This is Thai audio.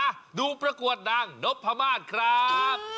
อ่ะดูประกวดดังนพมาศครับ